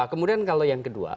kemudian kalau yang kedua